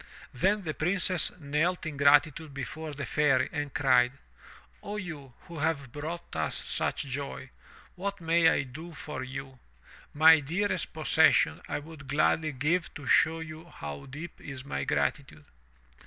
Then the Princess knelt in gratitude before the Fairy and cried: 0 you, who have brought us such joy — what may I do for you? My dearest possession I would gladly give to show you how deep is my gratitude."